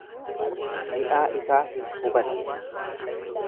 Mi'aa isaa hin hubanne.